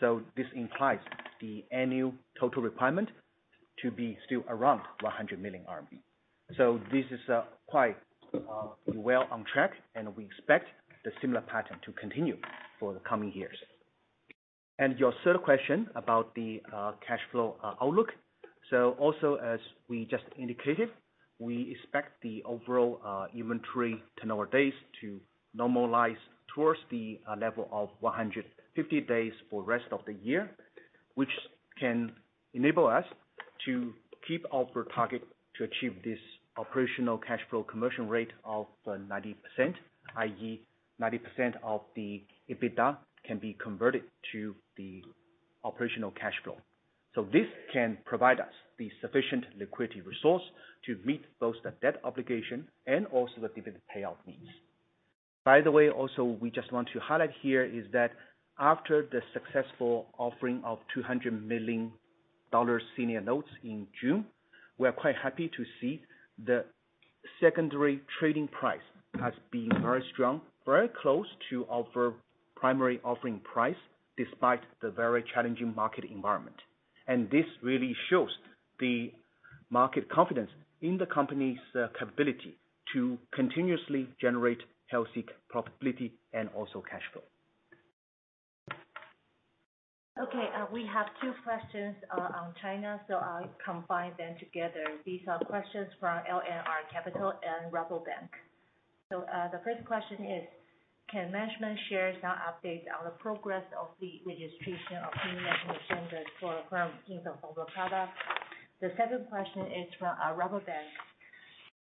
This implies the annual total requirement to be still around 100 million RMB. This is quite well on track, and we expect the similar pattern to continue for the coming years. Your third question about the cash flow outlook. Also, as we just indicated, we expect the overall inventory turnover days to normalize towards the level of 150 days for rest of the year, which can enable us to keep our target to achieve this operational cash flow conversion rate of 90%, i.e., 90% of the EBITDA can be converted to the operational cash flow. This can provide us the sufficient liquidity resource to meet both the debt obligation and also the dividend payout needs. By the way, also, we just want to highlight here, is that after the successful offering of $200 million senior notes in June, we are quite happy to see the secondary trading price has been very strong, very close to our primary offering price, despite the very challenging market environment. This really shows the market confidence in the company's capability to continuously generate healthy profitability and also cash flow. Okay, we have two questions on China, so I'll combine them together. These are questions from LNR Property and Rabobank. The first question is: Can management share some updates on the progress of the registration of new recognition for, from key new products? The second question is from Rabobank.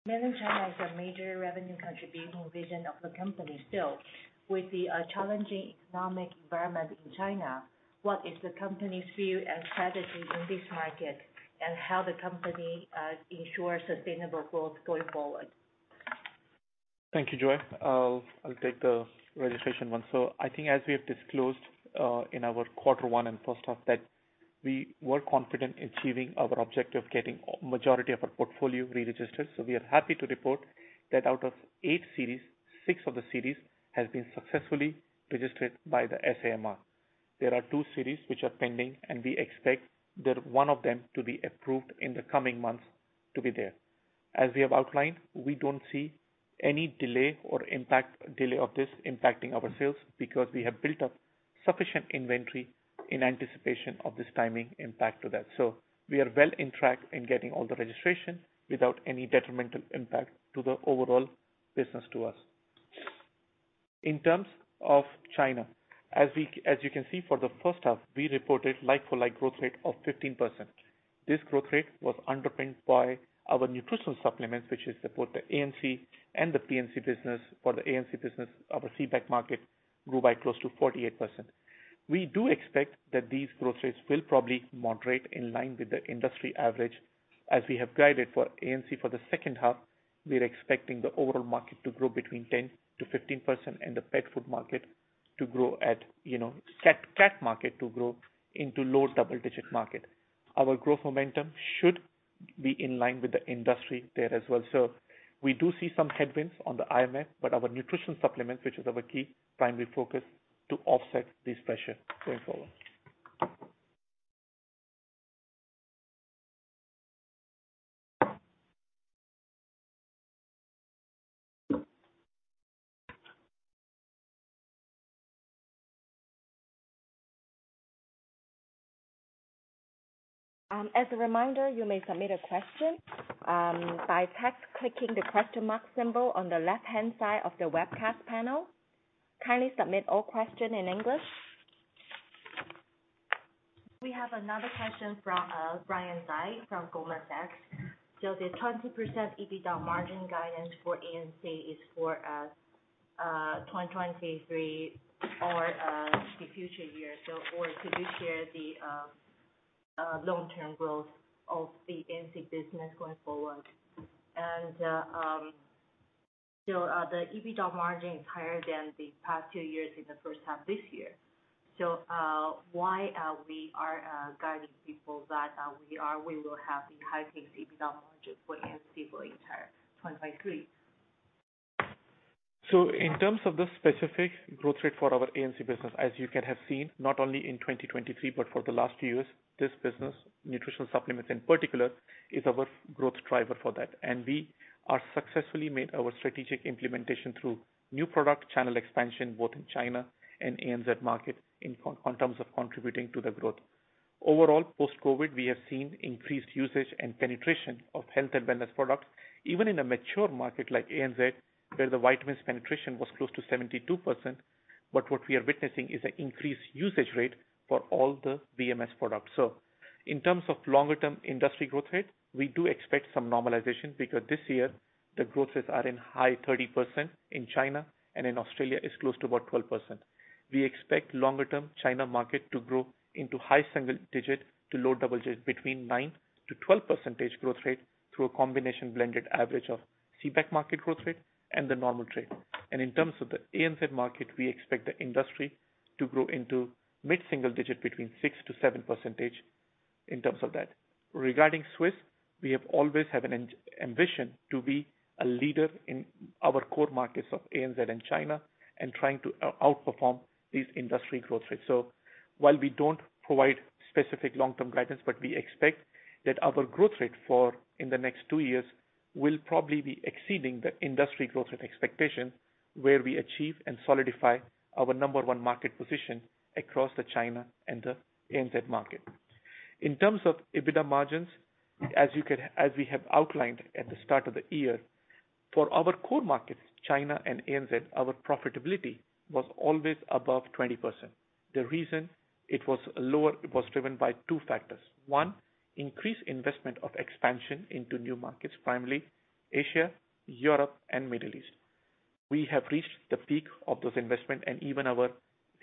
Mainland China is a major revenue contribution region of the company. Still, with the challenging economic environment in China, what is the company's view and strategy in this market? How the company ensure sustainable growth going forward? Thank you, Joy. I'll, I'll take the registration one. I think as we have disclosed in our quarter one and first half, that we were confident in achieving our objective of getting majority of our portfolio reregistered. We are happy to report that out of eight series, six of the series has been successfully registered by the SAMR. There are two series which are pending, and we expect that one of them to be approved in the coming months to be there. As we have outlined, we don't see any delay or impact, delay of this impacting our sales, because we have built up sufficient inventory in anticipation of this timing impact to that. We are well in track in getting all the registration without any detrimental impact to the overall business to us. In terms of China, as you can see, for the first half, we reported like-for-like growth rate of 15%. This growth rate was underpinned by our nutrition supplements, which is support the ANC and the PNC business. For the ANC business, our CBEC market grew by close to 48%. We do expect that these growth rates will probably moderate in line with the industry average. As we have guided for ANC for the second half, we're expecting the overall market to grow between 10%-15%, and the pet food market to grow at, you know, cat, cat market to grow into low double digit market. Our growth momentum should be in line with the industry there as well. We do see some headwinds on the IMF, but our nutrition supplements, which is our key primary focus to offset this pressure going forward. As a reminder, you may submit a question by text, clicking the question mark symbol on the left-hand side of the webcast panel. Kindly submit all question in English. We have another question from Brian Tsai, from Goldman Sachs. The 20% EBITDA margin guidance for ANC is for 2023, or the future years. Could you share the long-term growth of the ANC business going forward? The EBITDA margin is higher than the past two years in the first half this year. Why we are guiding people that we are, we will have the highest EBITDA margin for ANC for entire 2023? In terms of the specific growth rate for our ANC business, as you can have seen, not only in 2023 but for the last few years, this business, nutritional supplements in particular, is our growth driver for that. We are successfully made our strategic implementation through new product channel expansion, both in China and ANZ market, in terms of contributing to the growth. Overall, post-COVID, we have seen increased usage and penetration of health and wellness products, even in a mature market like ANZ, where the vitamins penetration was close to 72%. What we are witnessing is an increased usage rate for all the VMS products. In terms of longer-term industry growth rate, we do expect some normalization, because this year the growth rates are in high 30% in China, and in Australia, it's close to about 12%. We expect longer-term China market to grow into high single digit to low double digit, between 9%-12% growth rate through a combination blended average of CBEC market growth rate and the normal trade. In terms of the ANZ market, we expect the industry to grow into mid-single digit between 6%-7%. Regarding Swisse, we have always have an ambition to be a leader in our core markets of ANZ and China, and trying to outperform these industry growth rates. While we don't provide specific long-term guidance, but we expect that our growth rate for in the next two years, will probably be exceeding the industry growth rate expectation, where we achieve and solidify our number 1 market position across the China and the ANZ market. In terms of EBITDA margins, as we have outlined at the start of the year, for our core markets, China and ANZ, our profitability was always above 20%. The reason it was lower, it was driven by 2 factors. 1, increased investment of expansion into new markets, primarily Asia, Europe and Middle East. We have reached the peak of those investment, and even our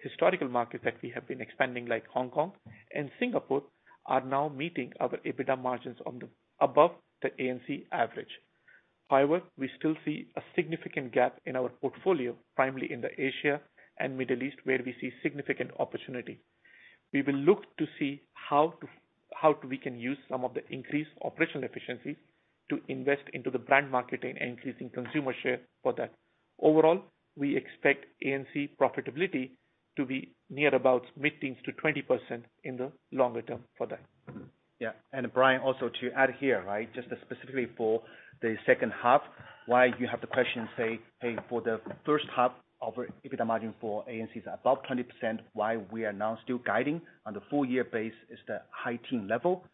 historical markets that we have been expanding, like Hong Kong and Singapore, are now meeting our EBITDA margins on the above the ANC average. However, we still see a significant gap in our portfolio, primarily in the Asia and Middle East, where we see significant opportunity. We will look to see how we can use some of the increased operational efficiencies to invest into the brand marketing and increasing consumer share for that. Overall, we expect ANC profitability to be near about mid-teens to 20% in the longer term for that. Yeah, Brian, also to add here, right? Just specifically for the second half, why you have the question, say, hey, for the first half of our EBITDA margin for ANC is above 20%, why we are now still guiding on the full year base is the high teen level.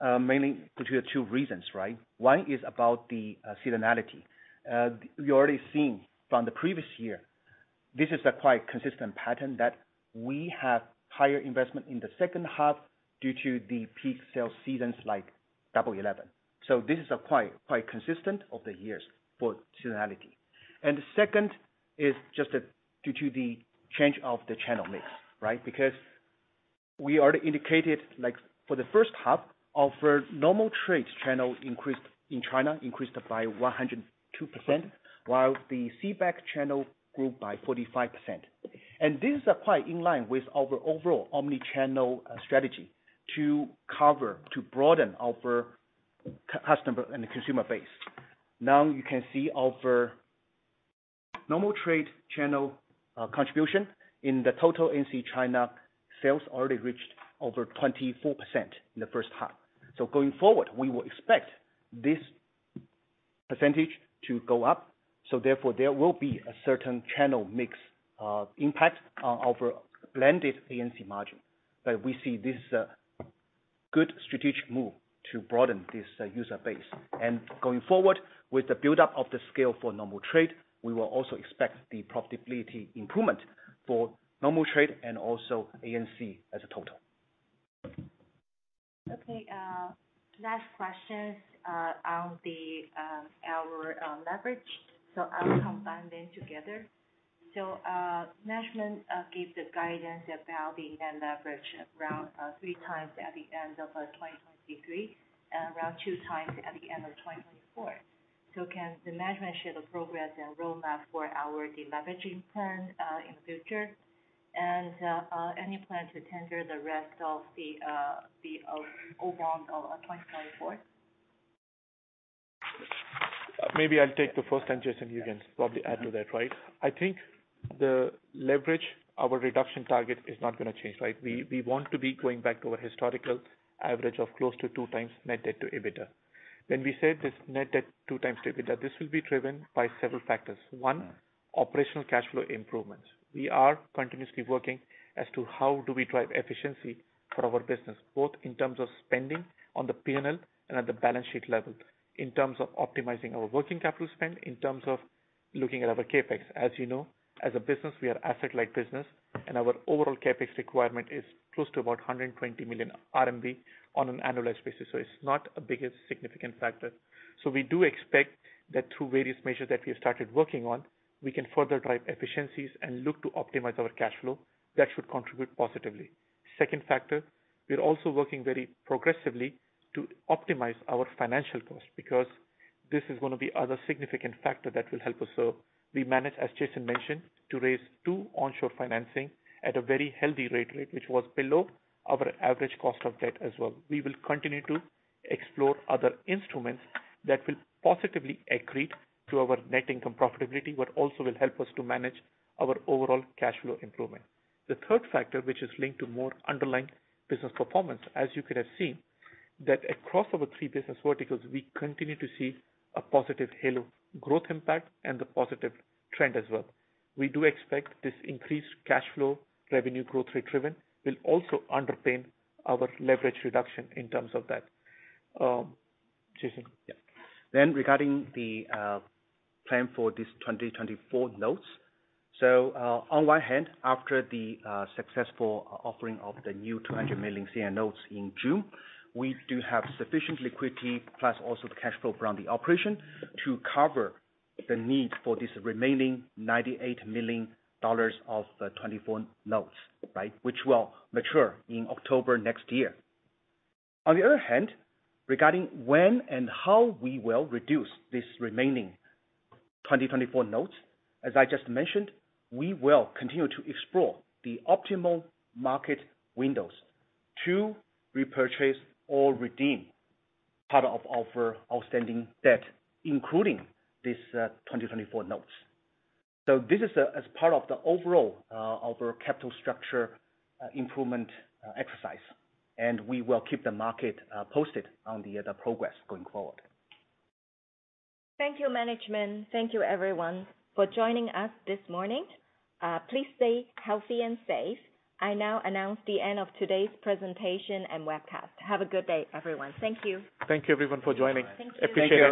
Mainly put two reasons, right? One is about the seasonality. We already seen from the previous year, this is a quite consistent pattern that we have higher investment in the second half due to the peak sales seasons like Double 11. This is quite, quite consistent over the years for seasonality. The second is just due to the change of the channel mix, right? Because we already indicated, like, for the first half of our normal trade channel increased, in China, increased by 102%, while the CBEC channel grew by 45%. This is quite in line with our overall omnichannel strategy to cover, to broaden our customer and consumer base. Now, you can see our normal trade channel contribution in the total ANC China sales already reached over 24% in the first half. Going forward, we will expect this percentage to go up, so therefore there will be a certain channel mix impact on our blended ANC margin. We see this good strategic move to broaden this user base. Going forward, with the buildup of the scale for normal trade, we will also expect the profitability improvement for normal trade and also ANC as a total. Okay, last questions on the our leverage, I'll combine them together. Management gave the guidance about the leverage around 3x at the end of 2023, and around 2x at the end of 2024. Can the management share the progress and roadmap for our deleveraging plan in the future? Any plan to tender the rest of the the overall 2024? Maybe I'll take the first time, Jason, you can probably add to that, right? I think the leverage, our reduction target is not gonna change, right? We want to be going back to our historical average of close to 2x net debt to EBITDA. When we say this net debt, 2x to EBITDA, this will be driven by several factors. One, operational cash flow improvements. We are continuously working as to how do we drive efficiency for our business, both in terms of spending on the P&L and at the balance sheet level, in terms of optimizing our working capital spend, in terms of looking at our CapEx. As you know, as a business, we are asset-light business, and our overall CapEx requirement is close to about 120 million RMB on an annualized basis, so it's not a biggest significant factor. We do expect that through various measures that we have started working on, we can further drive efficiencies and look to optimize our cash flow. That should contribute positively. Second factor, we are also working very progressively to optimize our financial cost because this is one of the other significant factor that will help us. We manage, as Jason mentioned, to raise two onshore financing at a very healthy rate, right, which was below our average cost of debt as well. We will continue to explore other instruments that will positively accrete to our net income profitability, but also will help us to manage our overall cash flow improvement. The third factor, which is linked to more underlying business performance, as you could have seen, that across our 3 business verticals, we continue to see a positive halo growth impact and a positive trend as well. We do expect this increased cash flow, revenue growth rate driven, will also underpin our leverage reduction in terms of that, Jason? Regarding the plan for this 2024 notes. On one hand, after the successful offering of the new $200 million senior notes in June, we do have sufficient liquidity, plus also the cash flow from the operation, to cover the need for this remaining $98 million of the 2024 notes, right? Which will mature in October next year. On the other hand, regarding when and how we will reduce this remaining 2024 notes, as I just mentioned, we will continue to explore the optimal market windows to repurchase or redeem part of our outstanding debt, including these 2024 notes. This is as part of the overall our capital structure improvement exercise, and we will keep the market posted on the progress going forward. Thank you, management. Thank you, everyone, for joining us this morning. Please stay healthy and safe. I now announce the end of today's presentation and webcast. Have a good day, everyone. Thank you. Thank you, everyone, for joining. Thank you. Appreciate it.